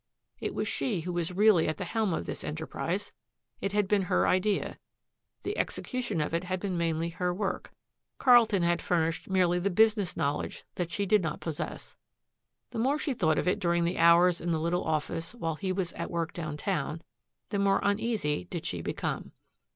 It was she who was really at the helm in this enterprise. It had been her idea; the execution of it had been mainly her work; Carlton had furnished merely the business knowledge that she did not possess. The more she thought of it during the hours in the little office while he was at work downtown, the more uneasy did she become.